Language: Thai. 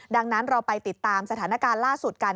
ดังนั้นเราไปติดตามสถานการณ์ล่าสุดกัน